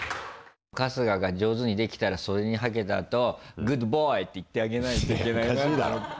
春日が上手にできたら袖にはけたあと「グッドボーイ」って言ってあげないといけないなと。